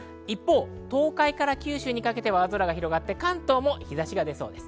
東海から九州にかけては青空が広がって関東も日差しが出そうです。